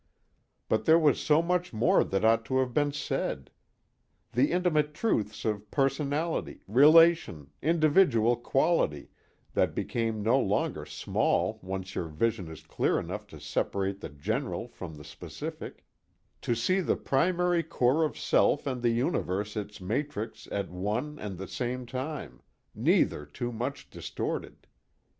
But there was so much more that ought to have been said! The intimate truths of personality, relation, individual quality, that become no longer small once your vision is clear enough to separate the general from the specific, to see the primary core of self and the universe its matrix at one and the same time, neither too much distorted.